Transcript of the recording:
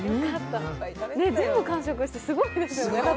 全部完食してすごいですよね。